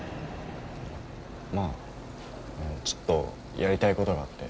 まああのちょっとやりたいことがあって。